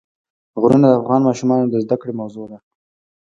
غرونه د افغان ماشومانو د زده کړې موضوع ده.